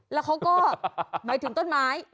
แล้วเขาก็หมายถึงต้นไม้